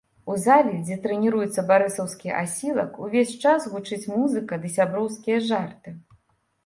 У зале, дзе трэніруецца барысаўскі асілак, увесь час гучыць музыка ды сяброўскія жарты.